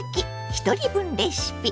ひとり分レシピ」。